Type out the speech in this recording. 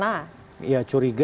tapi saya sudah sedikit curiga